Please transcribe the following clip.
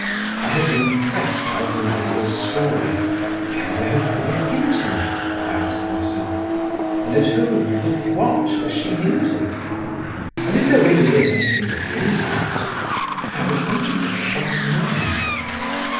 I had been impressed by Zinaïda's story. "Can there have been a hint in it?" I asked myself: "and at whom and at what was she hinting? And if there really is anything to hint at … how is one to make up one's mind?